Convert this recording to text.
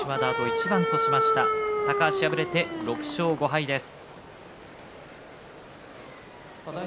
高橋、敗れて６勝５敗です。